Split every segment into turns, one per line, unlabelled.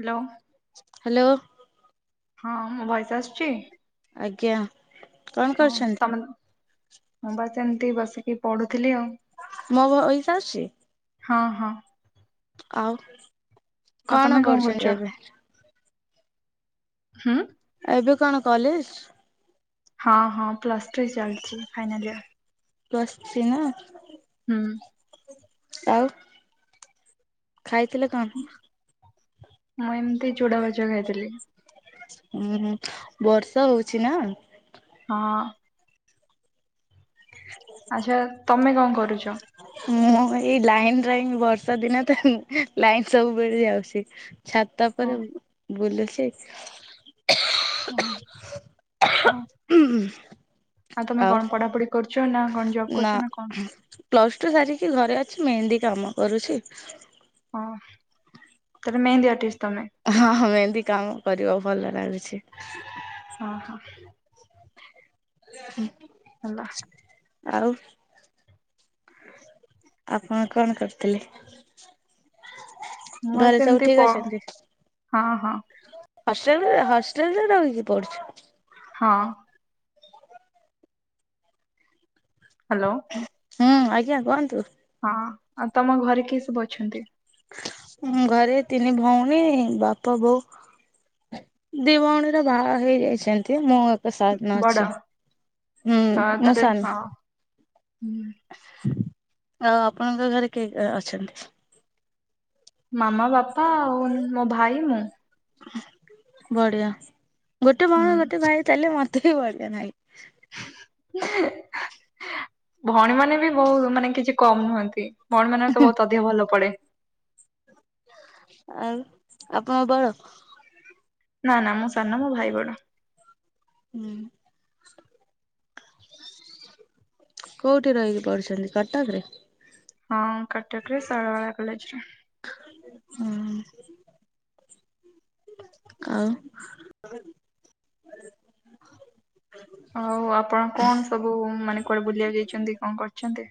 Hello
hello
ହଁ ମୋ voice ଆସୁଚି?
ଆଜ୍ଞା। କଣ
ହଁ
କରୁଛନ୍ତି
ତମେ ମୁଁ ବାସ୍ ଏମତି ବସିକି ପଢୁଥିଲି ଆଉ।
ମୋ ଭଇସ୍ ଆସୁଚି?
ହଁ ହଁ।
ଆଉ
ଆଉ
କଣ
ତମେ କରୁଛ?
ପଢୁଛନ୍ତି ଏବେ?
ହୁଁ।
ଏବେ କଣ କଲେଜ?
ହଁ ହଁ ପ୍ଲସ ଥ୍ରୀ ଚାଲଛି ଫାଇନାଲ୍ ଇୟର୍।
ପ୍ଲସ୍ ଥ୍ରୀ ନା?
ହୁଁ।
ଆଉ ଖାଇଥିଲେ କଣ?
ମୁଁ ଏମତି ଚୁଡ଼ା ଭଜା ଖାଇଥିଲି।
ହୁଁ ହୁ ବର୍ଷା ହଉଛି ନା?
ହଁ। ଆଚ୍ଛା ତମେ କଣ କରୁଛ?
ମୁଁ ଏଇ ଲାଇନ୍ ରାଇଂ ବର୍ଷା ଦିନ ତ ଲାଇନ୍ ସବୁବେଳେ ଯାଉସି। ଛାତ
ଓ
ଉପରେ ବୁଲୁଛି।
ହଁ। ହଁ
ଉ ହୁଁ।
ଆଉ ତମେ କଣ ପଢାପଢି କରୁଚ ନା କଣ ଜବ୍ କରୁଚ ନା କଣ?
ପ୍ଲସ୍ ଟୁ ସାରିକି ଘରେ ଅଛି ମେହେନ୍ଦି କାମ କରୁଛି।
ହଁ ତେବେ ମେହେନ୍ଦୀ ଆର୍ଟିଷ୍ଟ ତମେ?
ହଁ ହଁ ମେହେନ୍ଦୀ କାମ କରିବାକୁ ଭଲ ଲାଗୁଛି।
ହଁ ହଁ। ହେଲା
ଆଉ। ଆପଣ କଣ କରୁଥିଲେ?
ମୁଁ ଆ
ଘରେ ସବୁ
ସେମିତି ପ
ଠିକ୍ ଅଛନ୍ତି?
ହଁ ହଁ
ହଷ୍ଟେଲ ରେ ହଷ୍ଟେଲ ରେ ରହିକି ପଢୁଛୁ।
ହଁ। ହ୍ୟାଲୋ।
ହୁଁ ଆଜ୍ଞା କୁହନ୍ତୁ।
ହଁ ଆଉ ତମ ଘରେ କିଏ ସବୁ ଅଛନ୍ତି?
ଘରେ ତିନି ଭଉଣୀ ବାପା ବୋଉ। ଦି ଭଉଣୀର ବାହା ହେଇଯାଇଛନ୍ତି ମୁଁ ସେ ସାନ ଅଛି।
ବଡ?
ହୁଁ
ତ
ମୁଁ
ତାରେ
ସାନ।
ହଁ ହୁଁ,
ଆଉ ଆପଣଙ୍କ ଘରେ କିଏ କିଏ ଅଛନ୍ତି?
ମାମା ବାପା ଆଉ ମୋ ଭାଇ ମୁଁ।
ବଢିଆ ଗୋଟେ ଭଉଣି
ହୁଁ।
ଗୋଟେ ଭାଇ ଥିଲେ ମତେ ବି ବଢିଆ ଲାଗେ।
ଭଉଣୀ ମାନେ ବି ବହୁ ମାନେ କିଛି କମ୍ ନୁହନ୍ତି। ଭଉଣୀ ମାନ ତ ବହୁତ ଅଧିକ ଭଲ ପଡେ।
ଆଉ ଆପଣଙ୍କ ବଳ।
ନା ନା ମୁଁ ସାନ ମୋ ଭାଇ ବଡ।
ହୁଁ। କୋଉଠି ରହିକି ପଡୁଛନ୍ତି କଟକରେ?
ହଁ କଟକରେ ଶୈଳବାଳା କଲେଜରେ।
ହଁ। ଆଉ।
ହଉ ଆପଣ କଣ ସବୁ ମାନେ କୁଆଡେ ବୁଲିବାକୁ ଯାଇଛନ୍ତି କଣ କରିଛନ୍ତି?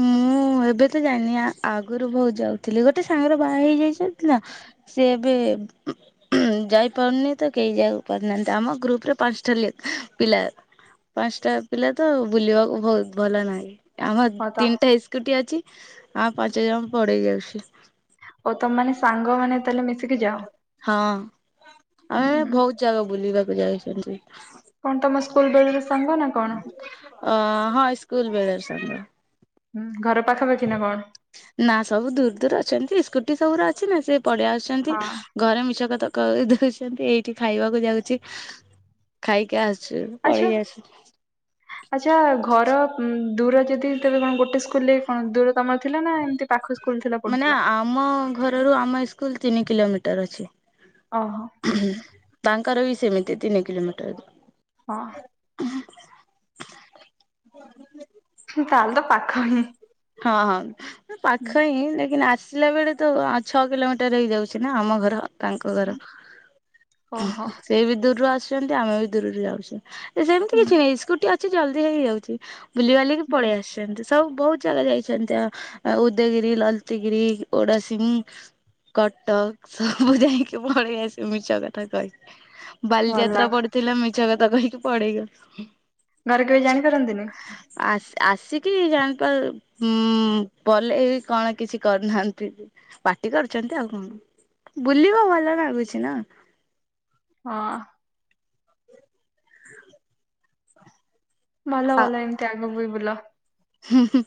ମୁଁ ଏବେ ତ ଯାଇନି ଆଗରୁ ବହୁତ ଯାଉ ଥିଲେ ଗୋଟେ ସାଙ୍ଗରେ ବାହା ହେଇଯାଇ ନା ସେ ଏବେ ଯାଇପାରୁନି ତ କେହି ଯାଇକୁ ପାରୁନାହାନ୍ତି ଆମ ଗ୍ରୁପରେ ପାଞ୍ଚଟା ପିଲା। ପାଞ୍ଚଟା ପିଲା ତ ବୁଲିବାକୁ ବହୁତ ଭଲ ନାହିଁ ଆମର
ହଁ ତ
ସ୍କୁଟି ଅଛି ଆଉ ପାଞ୍ଚ ଜଣ ଙ୍କୁ ପଢ଼େଇ ଯାଉଛି।
ଓ ତମ ମାନେ ସାଙ୍ଗ ମାନେ ତାହେଲେ ମିଶିକି ଯାଅ।
ହଁ ଆମେ
ହୁଁ
ବହୁତ ଜାଗା ବୁଲିବାକୁ ଯାଇଛନ୍ତି।
କଣ ତମ ସ୍କୁଲ ବେଳେର ସାଙ୍ଗ ନା କଣ?
ଅ ହଁ ସ୍କୁଲ ବେଳର ସାଙ୍ଗ।
ହୁଁ ଘର ପାଖାପାଖି ନା କଣ?
ନା ସବୁ ଦୂର୍ ଦୂର ଅଛନ୍ତି ସ୍କୁଟି ସବୁ ର ଅଛି ନା ସେ ପଳେଇ ଆସୁଛନ୍ତି।
ହଁ
ଘରେ ମିଛ କଥା କହି ଦେଉଛନ୍ତି ଏଇଠି ଖାଇବାକୁ ଯାଉଛି ଖାଇକି ଆସୁ ସେ ବି ପଳେଇ ଆସେ।
ହଁ। ଆଚ୍ଛା ଘର ଦୂର ଯଦି ତବେ କଣ ଗୋଟେ ସ୍କୁଲରେ କଣ ଦୂର ତମର ଥିଲା ନା ଏମିତି ପାଖ ସ୍କୁଲ ଥିଲା
ମାନେ
ପଢୁଥିଲ?
ଆମ ଘରରୁ ଆମ ସ୍କୁଲ୍ ତିନି କିଲୋମିଟର ଅଛି।
ଓହୋ।
ତାଙ୍କର ବି ସେମିତି ତିନି କିଲୋମିଟର।
ହଁ। ତାହଲେ ତ ପାଖ ହିଁ।
ହଁ ହଁ
ହୁଁ
ପାଖ ହିଁ ଲେକିନ୍ ଆସି ଆସିଲା ବେଳେ ତ ଆଉ ଛଅ କିଲୋମିଟର୍ ହେଇଯାଉଛି ନା ଆମ ଘର। ତାଙ୍କ ଘର
ହୁଁ ଓହୋ
ସେ ବି ଦୂରରୁ ଆସୁଛନ୍ତି ଆମେ ବି ଦୂରରୁ ଯାଉଚୁ। ସେମିତି
ହୁଁ
କିଛି ନାହିଁ ସ୍କୁଟି ଅଛି ଜଲଦି ହେଇଯାଉଛି ବୁଲିବାଲିକି
ହୁଁ
ପଳେଇ ଆସୁଛନ୍ତି ସେମିତି ସବୁ ବହୁତ୍ ଜାଗା ଯାଇଛନ୍ତି ଆ ଉଦୟଗିରି ଲାଲତିଗିରି ଓଡାସିଂ। କଟକ ସବୁ ଯାଇକି ପଳେଇ ଆସି ମିଛ କଥା କହିକି
ଭଲ
ବାଲିଯାତ୍ରା ପଡିଥିଲା ମିଛ କଥା କହିକି ପଳେଇଗଲୁ।
ଘରେ କେବେ ଜାଣିପାରନ୍ତିନି?
ଆ ଆସିକି ଜାଣ ଉଁ ବଲେଇ କଣ କିଛି କରିନାହାନ୍ତି। ପାଟି କରୁଛନ୍ତି ଆଉ କଣ ବୁଲିବ ଭଲ ଲାଗୁଛି ନା।
ହଁ। ଭଲ
ଆ
ଭଲ ଏମିତି ଆଗକୁ ବି ବୁଲ।
ହୁଁ ହୁଁ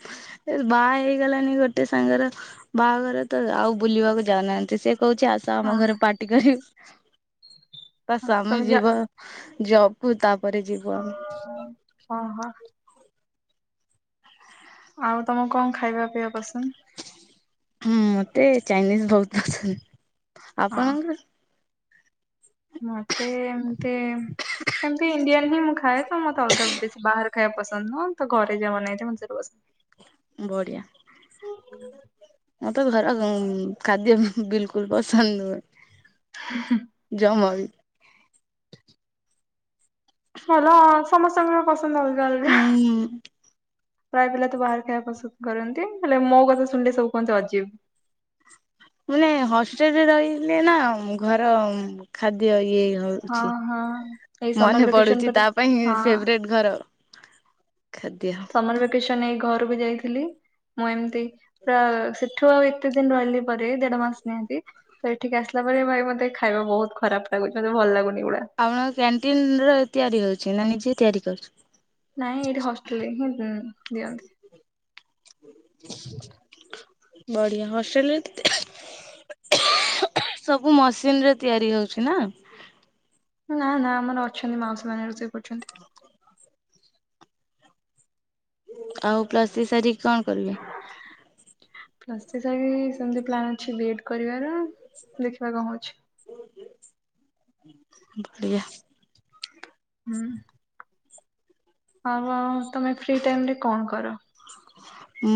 ବାହା ହେଇଗଲାଣିି ଗୋଟେ ସାଙ୍ଗର ବାହାଘର ତ ଆଉ ବୁଲିବାକୁ ଯାଉନାହାନ୍ତି ସେ କହୁଛି ଆସ ଆସ ଆମ
ହଁ
ଘରେ ପାର୍ଟି କରିବ ତା
ହଁ
ସ୍ୱାମୀ
ତମେ ଯା
ଯିବ ଜବ୍ କୁ ତାପରେ ଯିବୁ ଆମେ।
ଓହୋ। ଆଉ ତମକୁ କଣ ଖାଇବା ପିଇବା ପସନ୍ଦ?
ହୁଁ ମତେ ଚାଇନିଜ ବହୁତ ପସନ୍ଦ।
ହଁ
ଆପଣଙ୍କୁ?
ମତେ ଏମତି ଏମିତି ଇଣ୍ଡିଆନ୍ ହିଁ ମୁଁ ଖାଏ ତ ମତେ ଅଲଗା ବେଶୀ ବାହାର ଖାଇବା ପସନ୍ଦ ନୁହଁ ତ ଘରେ ଯା ବନା ହେଇଥିବ ମୋତ ସେଟା ପସନ୍ଦ। [inaudible]
ବଢ଼ିଆ।
[inaudible]
ମତେ ଘର ଖାଦ୍ୟ ବିଲକୁଲ ପସନ୍ଦ ନୁହେଁ।
[inaudible]
ଜମାବି
ଭଲ ସମସ୍ତଙ୍କୁ ବି ପସନ୍ଦ ଅଲଗା ଅଲଗା
ହୁଁ
ପ୍ରାୟ ପିଲା ତ ବାହାରେ ଖାଇବା ପସନ୍ଦ କରନ୍ତି ହେଲେ ମୋ କଥା ଶୁଣିଲେ ସବୁ କୁହନ୍ତି ଅଜୀବ।
ମାନେ ହଷ୍ଟେଲରେ ରହିଲି ନା ଘର ଖାଦ୍ୟ ଇଏ ହଉ
ହଁ
ଛି
ହଁ ଏଇ ସମର
ମନେ
ଭେକେସନ
ପଡୁଛି
ପରେ
ତା ପାଇଁ
ହଁ
ଫେବରଟ ଘର ଖାଦ୍ୟ
ସମର ଭ୍ୟାକେଶନରେ ଏଇ ଘରକୁ ଯାଇଥିଲି ମୁଁ ଏମିତି ପୁରା ସେ ସେଠୁ ଆଉ ଏତେ ଦିନ ରହିଲି ପରେ ଦେଢ ମାସ ନିହାତି ତ ଏଠିକ ଆସିଲା ପରେ ଭାଇ ମତେ ଖାଇବା ବହୁତ ଖରାପ ଲାଗୁଚି ମତେ ଭଲ ଲାଗୁନି ଏଗୁଡା।
ଆପଣଙ୍କ କ୍ୟାଣ୍ଟିନରେ ତିଆରି ହଉଛି ନା ନିଜେ ତିଆରି କରୁଛ
ନାଇଁ ଏଇଠି ହଷ୍ଟେଲରେ ହିଁ ଦିଅନ୍ତି।
ବଢିଆ ହଷ୍ଟଟେଲରେ ସବୁ ମସିନ ରେ ତିଆରି ହଉଛି ନା?
ନା ନା ଆମର ଅଛନ୍ତି ମାଉସୀ ମାନେ ରୋଷେଇ କରୁଛନ୍ତି।
[inaudible] ଆଉ ପ୍ଲସଥ୍ରୀ ସାରିକି କଣ କରିବେ?
ପ୍ଲସଥ୍ରୀ ସାରିକି ସେମତି ପ୍ଲାନ ଅଛି ବି ଏ ଡ କରିବାର। ଦେଖିବା କଣ ହୋଉଛି।
ବଢିଆ
ହୁଁ। ଆଉ ଆଉ ତମେ ଫ୍ରି ଟାଇମରେ କଣ କର?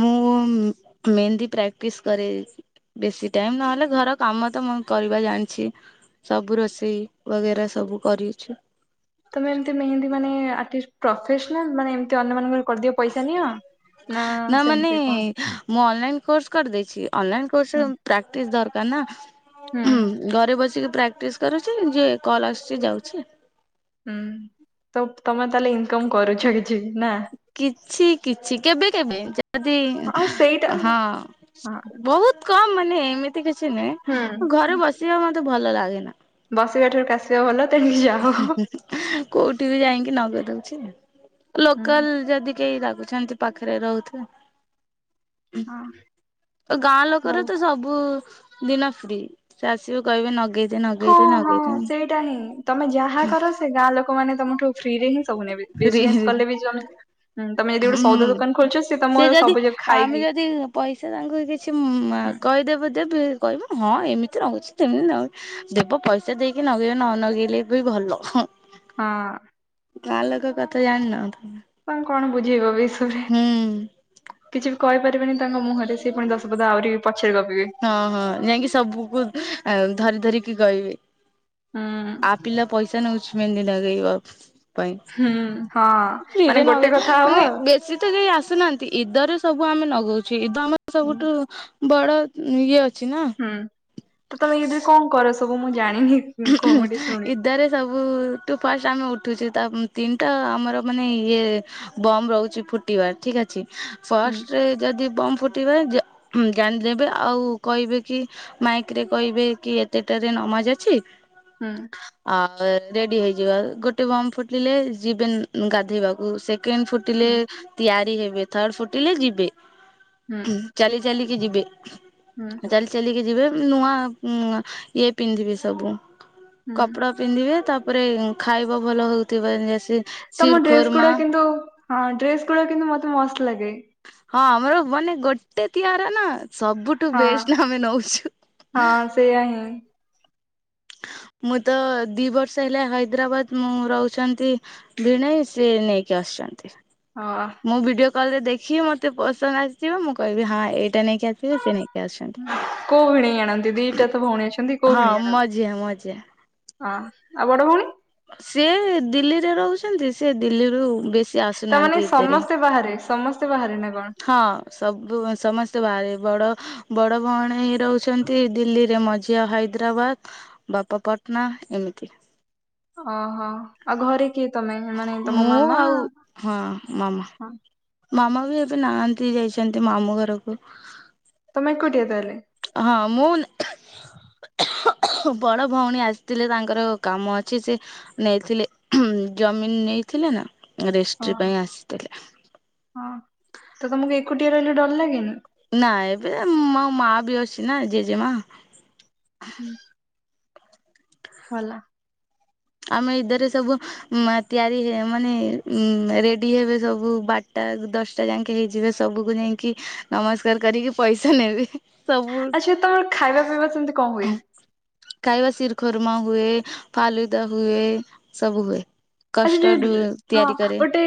ମୁଁ ମେହେନ୍ଦି ପ୍ରାକଟିସ କରେ। ବେଶୀ ଟାଇମ ନହେଲେ ଘର କାମ ତ ମୁଁ କରିବା ଜାଣିଚି। ସବୁ ରୋଷେଇ ବଗେରା ସବୁ କରିଛ
ତମେ ଏମତି ମେହନ୍ଦୀ ମାନେ ଆର୍ଟିଷ୍ଟ ପ୍ରଫେସନାଲ ମାନେ ଏମତି ଅନ୍ୟ ମାନଙ୍କ କରିଦିଅ ପଇସା ନିଅ, ନା ସେମିତି କଣ
ମୁଁ ଅନଲାଇନ କୋର୍ସ କରିଦେଇଛି, ଅନଲାଇନ କୋର୍ସ
ହୁଁ
ରେ ପ୍ରାକ୍ଟିସ ଦରକାର
ହୁଁ
ନା। ଘରେ ବସିକି ପ୍ରାକ୍ଟିସ୍ କରୁଚି, ଯିଏ କଲ୍ ଆସୁଛି ଯାଉଛି।
ହୁଁ ତ ତମେ ତାହେଲେ ଇନକମ କରୁଛ କିଛି ନା?
କିଛିକିଛି କେବେକେବେ ଯଦି
ହଁ ସେଇଟା
ହଁ
ହଁ
ବହୁତ କମ ମାନେ ଏମିତି କିଛି ନୁହେଁ,
ହୁଁ
ଘରେ ବସିବା ମତେ ଭଲ ଲାଗେନା।
ବସିବା ଠାରୁ କାସିବା ଭଲ ତେଣିକି ଯାହଉ
କୋଉଠି ବି ଯାଇକି ନଗେଇ ଦଉଛି
ହଁ
ଲୋକାଲ ଯଦି କେହି ଡାକୁଛନ୍ତି ପାଖରେ ରହୁଥି ଗାଁ
ଭଲ
ଲୋକରେ ତ ସବୁ ଦିନ ଫ୍ରି ସେ ଆସିବେ କହିବେ ନଗେଇଦେ, ନଗେଇଦେ, ନଗେଇଦେ
ନାହିଁ, ତମେ ଯା ଯାହା କର ସେ ଗାଁ ଲୋକମାନେ ତମଠୁ ଫ୍ରିରେ ହିଁ ସବୁ ନେବେ।
ଫ୍ରି
ବିଜନେସ କଲେ ବି [unintelligible] ଗୋଟେ
ହୁଁ,
ସଉଦା ଦୋକାନ ଖୋଲୁଛ
ସେ
ତମ
ଯଦି
ସବୁ ଯାକ
ଆମେ
ଖାଇକି
ଯଦି ପଇସା ତାଙ୍କୁ କିଛି ମା
ହୁଁ
କହିଦେବେ ଯେ ତୁ [unintelligible] କହିବୁ ହଁ ଏମିତି ନଉଚି ସେମିତି ନଉଚି ଦୀପ ପଇସା ଦେଇକି ନଗେଇ ନଗେଇଲେ ବି ଭଲ, ହଁ
ହଁ।
ଗାଁ ଲୋକ କଥା ଜାଣିନ [unintelligible]
ତାଙ୍କୁ କଣ ବୁଝେଇବ ଏ ବିଷୟରେ
ହୁଁ
କିଛି ବି କହିପାରିବେନି ତାଙ୍କ ମୁହଁରେ ସିଏ ପୁଣି ଦଶ ପଦ ଆହୁରି ପଛରେ ଗପିବେ।
ହଁ, ହଁ ଯାଇଁକି ସବୁକୁ ଆଁ ଧରି ଧରିକି କହିବେ।
ହୁଁ
ଆ ପିଲା ପଇସା ନଉଛି ମେହେନ୍ଦି ନଗେଇଵାକୁ? ପାଇଁ
ହୁଁ ହଁ ମାନେ
ଧୀରେ
ଗୋଟେ
ନଗେଇ
କଥା ହବ
ମାନେ ବେଶ୍ ସିଏ ତ ଏ ଯାଏଁ ଆସି ନାହାଁନ୍ତି ଇଦରେ ସବୁ ଆମେ ନଗାଉଛୁ ଇଦ ଆମର
ହୁଁ
ସବୁଠୁ ବଡ ଉଁ ଇଏ ଅଛି ନା।
ହୁଁ ତ ତମେ ଇଦିରେ କଣ କର ସବୁ ମୁଁ ଜାଣିନି କୁହ ମୁଁ ଟିକେ ଶୁଣେ।
ଇଦରେ ସବୁୁଠୁ ଫାଷ୍ଟ ଆମେ ଉଠୁଛୁ ତା ତିନିଟା ଆମର ମାନେ ଇଏ ବମ୍ ରହୁଛି ଫୁଟିବା ଠିକ ଅଛି
ହୁଁ
ଫାଷ୍ଟ ରେ ଯଦି ବମ୍ ଫୁଟିବେ ଜା ଜାଣିଦେବେ ଆଉ କହିବେ କି ମାଇକରେ କହିବେ କି ଏତେଟାରେ ନମାଜ ଅଛି
ହୁଁ।
ଆଉ ରେଡି ହେଇଯିବା ଗୋଟେ ବମ୍ ଫୁଟିଲେ ଯିବେ ଗାଧେଇବାକୁ ସେକେଣ୍ଡ ଫୁଟ୍ ଟିଲେ
ହୁଁ
ତିଆରି ହେବେ ଥାର୍ଡ ଫୁଟିଲେ ଯିବେ।
ହୁଁ
ଚାଲି ଚାଲିକି ଯିବେ।
ହୁଁ।
ଚାଲି ଚାଲିକି ଯିବେ ନୂଆନୂଆ ଇଏ ପିନ୍ଧିବେ ସବୁ
ହୁଁ
କପଡ଼ା ପିନ୍ଧିବେ ତାପରେ ଖାଇଵା ଭଲ ହଉଥିଵା ନେଇଆସିବେ
ତମ ଡ୍ରେସଗୁଡା କିନ୍ତୁ ହଁ, ଡ୍ରେସଗୁଡା କିନ୍ତୁ ମତେ ମସ୍ତ ଲାଗେ।
ହଁ ଆମର ମାନେ ଗୋଟେ ତିଆରା ନା ସବୁ ଠୁ
ହଁ
ବେଷ୍ଟ ଆମେ ନଉଛୁ।
ହଁ ସେଇଆ ହିଁ
ମୁଁ ତ ଦି ବର୍ଷ ହେଲା ହାଇଦ୍ରାବାଦ ମୁଁ ରହୁଛନ୍ତି ଭିଣେଇ ସିଏ ନେଇକି ଆସୁଛନ୍ତି।
ହଁ ବା।
ମୁଁ ଭିଡ଼ିଓ କଲରେ ଦେଖିବି ମୋତେ ପସନ୍ଦ ଆସିଯିବ ମୁଁ କହିବି ହଁ ଏଇଟା ନେଇକି ଆସିବ ସେ ନେଇକି ଆସନ୍ତି।
କୋଉ ଭିଣେଇ ଆଣନ୍ତି ଦିଟା ତ ଭଉଣୀ ଅଛନ୍ତି କୋଉ
ହଁ
ଭିଣେଇ ଆଣନ୍ତି?
ମଝିଆ ମଝିଆ।
ହଁ, ଆଉ ବଡଭଉଣୀ?
ସେ ଦିଲ୍ଲୀରେ ରହୁଛନ୍ତି ସେ ଦିଲ୍ଲୀରୁ ବେଶ୍
ତାମାନେ ସମସ୍ତେ ବାହାରେ ସମସ୍ତେ ବାହାରେ ନା କଣ?
ହଁ ସବୁ ମାନେ ସମସ୍ତେ ବାହାରେ ବଡ ବଡ ଭଉଣୀ ରହୁଛନ୍ତି ଦିଲ୍ଲୀରେ ମଝିଆ ହାଇଦ୍ରାବାଦ ବାପପାଟଣା ଏମିତି
ଓହୋ ଆଉ ଘରେ କିଏ? ତମେ ମାନେ ତମ
ମୁଁ
ମାମା
ଆଉ ହଁ ମାମା।
ହଁ
ମାମା ବି ଏବେ ନାହାନ୍ତି ଯାଇଛନ୍ତି ମାମୁଁ ଘରକୁ।
ତମେ ଏକୁଟିଆ ତାହେଲେ
ହଁ ମୁଁ ବଡ ଭଉଣୀ ଆସିଥିଲେ ତାଙ୍କର କାମ ଅଛି ସେ ନେଇଥିଲେ ଜମିିନ ନେଇଥିଲେ ନା, ରେଷ୍ଟ୍ରି ପାଇଁ ଆସିଥିଲେ।
ହଁ ତ ତମକୁ ଏକୁଟିଆ ରହିଲୁ ଡର ଲାଗେନି?
ନା ଏବେ ମୋ ମା ବି ଅଛି ନା ଜେଜେମା।
ହୁଁ। ଭଲ।
ଆମେ ଇଦରେ ସବୁ ମା ତିଆରି ହେ ମାନେ ଉଁ ରେଡି ହେବେ ସବୁ ବାରଟା ଦଶ ସେ ଯାଇଁକି ହେଇଯିବେ ସବକୁ ଯାଇଁକି ନମସ୍କାର କରିକି ପଇସା ନେବେ। ସବୁ
ଆଚ୍ଛା ତମର ଖାଇବା ପିଇବା ସେମିତି କଣ ହୁଏ?
ଖାଇବା ଶିରଖୁର୍ମା ହୁଏ ଫାଲୁଦା ହୁଏ ସବୁ ହୁଏ।
ଆ ସେ
କଷ୍ଟଡ
ଯୋଉ ହଁ
ତିଆରି କରେ
ଗୋଟେ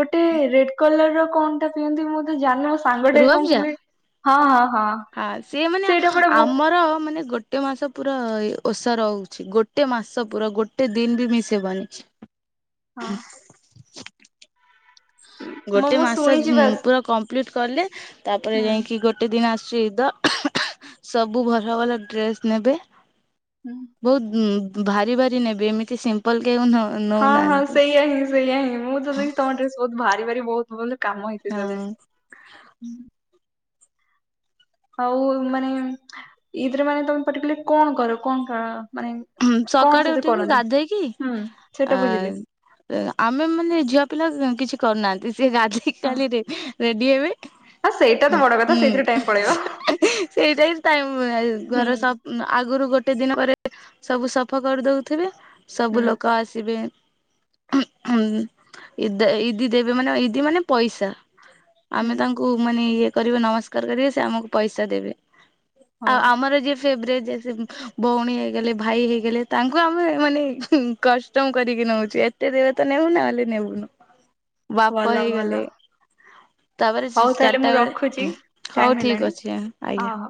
ଗୋଟେ ରେଡ କଲର ର କଣ ଟା ପିଅନ୍ତି, ମୁଁ ତ ଜାଣିନି ମୋ ସା
ରୁଆବଯା ହଁ ସେ ମାନେ
ସେଇଟା ପରା ବୋ
ଆମର ମାନେ ଗୋଟେ ଗୋଟେ ମାସ ପୁରା ଓଷା ରହୁଛି, ଗୋଟେ ମାସ ପୁରା ଗୋଟେ ଦିନ ବି ମିଶ ହବନି।
ହଁ
ହ
ମୁଁ
ଗୋଟେ
ମୁଁ
ମାସ
ଶୁଣିଛି ବାସ୍
ପୁରା କମ୍ପ୍ଲିଟ କଲେ ତାପରେ
ହୁଁ
ଯାଇକି ଗୋଟେ ଗୋଟେ ଦିନ ଆସଛି ଇଦ୍ ସବୁ ଭଲ ଭଲ ଡ୍ରେସ ନେବେ।
ହୁଁ।
ବହୁତ ଭାରି ଭାରି ନେବେ, ଏମିତି ସିମ୍ପ ଲ କେହି ଆଉ ନଉ
ହଁ ହଁ
ନଉନାହାନ୍ତି।
ସେଇଆା ହିଁ ସେଇଆ ହିଁ ମୁଁ ଯଦି ତମ ଡ୍ରେ ବହୁତ ଭାରି ଭାରି ବହୁତ ଭଲ କାମ ହେଇଛି ତା
ହଁ
ଦେହରେ ଆଉ ମାନେ ଇଦ୍ ରେ ମାନେ ତମେ ପଟିକୁଲାର କଣ କର, କଣ କ ମାନେ କଣ
ସକାଳେ
ସେଥିରେ
ଉଠେଇ
କରନ୍ତି
ଗାଧେଇକି
ହୁଁ ସେଇଟା
ଆ
ବୁଝିଲି
ଆମେ ମାନେ ଝିଅ ପିଲା କିଛି କରୁନାହାନ୍ତି, ସେ ଗାଧେଇକି
ହଁ
ଖାଲି ରେଡି ରେଡ଼ି ହେବି।
ହଁ ସେଇଟା ତ ବଡ କଥା ସେଇଥିରେ
ହୁଁ
ଟାଇମ ପଳେଇବ।
ସେଇଟା ହିଁ ଟାଇମ
ହୁଁ।
ଘର ସବ୍ ଆଗରୁ ଗୋଟେ ଦିନ ପରେ ସବୁ ସଫା କରିଦଉଥିବେ। ସବୁ
ହୁଁ
ଲୋକ ଆସିବେ। ଇଦି ଦେବେ ମାନେ ଇଦି ମାନେ ପଇସା,
ହୁଁ
ଆମେ ତାଙ୍କୁ ମାନେ ଇଏ କରିବେ ନମସ୍କାର କରିବେ ସେ ଆମକୁ ପଇସା ଦେବେ,
ହଁ
ଆଉ ଆମର ଯିଏ ବ୍ରେଜ୍ ଜେସେ ଭଉଣୀ ହେଇଗଲେ ଭାଇ ହେଇଗଲେ ତାଙ୍କୁ ଆମେ ମାନେ କଷ୍ଟମ କରିକି ନେଉଛୁ ଏତେ ଦେବେ ତ ନେବୁ ନହଲେ ନେବୁନୁ।
[inaudible]
ବାପା
ଭଲ ଭଲ
ହେଇଗଲେ। ତାପରେ
ହଉ ତାହେଲେ
ଚାରିଟା
ମୁଁ ରଖୁଛି
ବେଳେ,
ଟାଇମ
ହଉ
ହେଲାଣି
ଠିକ ଅଛି
ହଁ
ଆଜ୍ଞା।
ହଁ।